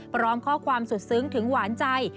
พร้อมข้อความสุดซึ้งถึงหวานใจ